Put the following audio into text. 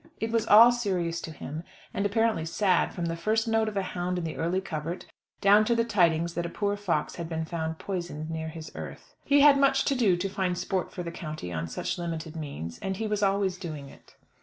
It was all serious to him, and apparently sad, from the first note of a hound in the early covert, down to the tidings that a poor fox had been found poisoned near his earth. He had much to do to find sport for the county on such limited means, and he was always doing it.